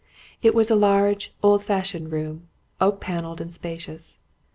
It was a large old fashioned room, oak panelled and spacious.